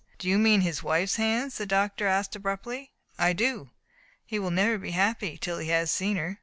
*'Do you mean his wife's hands?" the doctor asked abruptly. "I do. He will never be happy till he has seen her."